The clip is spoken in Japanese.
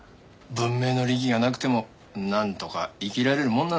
文明の利器がなくてもなんとか生きられるもんなんだな。